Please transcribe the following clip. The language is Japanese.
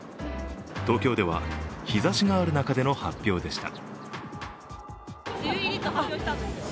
東京では、日ざしがある中での発表でした。